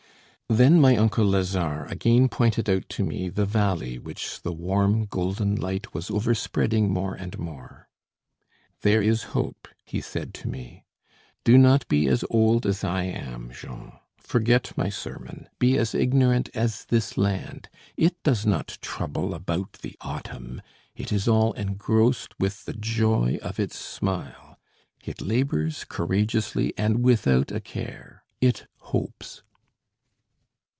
Then my uncle Lazare again pointed out to me the valley which the warm golden light was overspreading more and more. "There is hope," he said to me. "Do not be as old as I am, Jean. Forget my sermon, be as ignorant as this land. It does not trouble about the autumn; it is all engrossed with the joy of its smile; it labours, courageously and without a care. It hopes."